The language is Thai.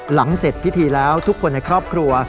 เสร็จพิธีแล้วทุกคนในครอบครัว